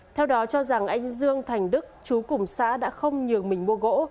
theo đó cho rằng anh dương thành đức chú cùng xã đã không nhường mình mua gỗ